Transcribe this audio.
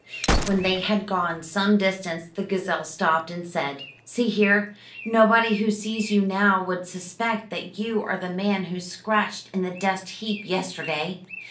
When they had gone some distance, the gazelle stopped, and said, "See here: nobody who sees you now would suspect that you are the man who scratched in the dust heap yesterday.